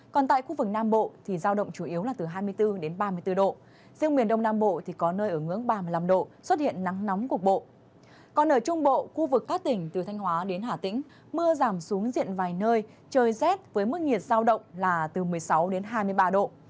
còn ở trung bộ khu vực các tỉnh từ thanh hóa đến hà tĩnh mưa giảm xuống diện vài nơi trời rét với mức nhiệt giao động là từ một mươi sáu đến hai mươi ba độ